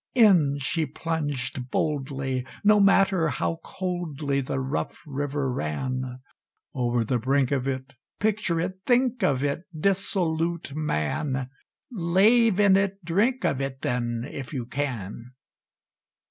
In she plunged boldly, No matter how coldly The rough river ran, Over the brink of it, Picture it think of it, Dissolute Man! Lave in it, drink of it, Then, if you can!